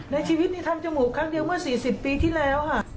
ในชีวิตนี่ทำจมูกครั้งเดียวเมื่อ๔๐ปีที่แล้วค่ะ